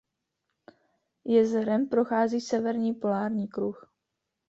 Jezerem prochází severní polární kruh.